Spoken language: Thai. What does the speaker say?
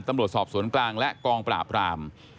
ตำรวจสอบสวนกลางและกองปราบราม